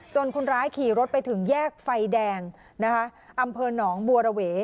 คนร้ายขี่รถไปถึงแยกไฟแดงนะคะอำเภอหนองบัวระเว